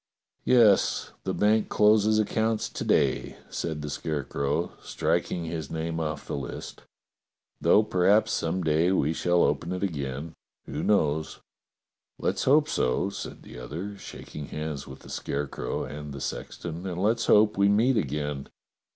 "Yes, the bank closes accounts to day," said the Scarecrow, striking his name off the list, "though per haps some day we shall open it again. Who knows? " "Let's hope so," said the other, shaking hands with the Scarecrow and the sexton, "and let's hope we meet again.